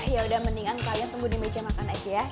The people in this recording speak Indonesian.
ya udah mendingan kalian tunggu di meja makan aja ya